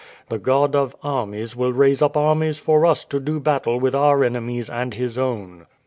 The God of armies will raise up armies for us to do battle with our enemies and His own."